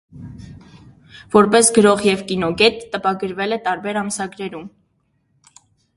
Որպես գրող և կինոգետ՝ տպագրվել է տարբեր ամսագրերում։